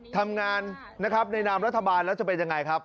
ทำงานนะครับในนามรัฐบาลแล้วจะเป็นยังไงครับ